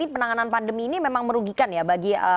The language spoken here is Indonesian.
penanganan pandemi ini memang merugikan ya bagi